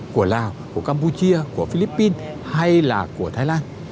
của lào của campuchia của philippines hay là của thái lan